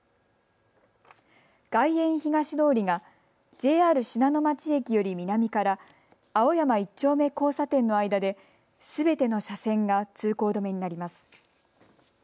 外苑東通りがＪＲ信濃町駅より南から青山一丁目交差点の間ですべての車線が通行止めになります。